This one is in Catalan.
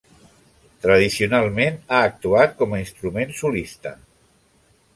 Tradicionalment ha actuat com a instrument solista.